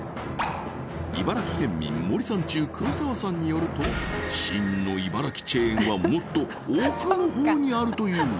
茨城県民森三中黒沢さんによると真の茨城チェーンはもっと奥のほうにあるという！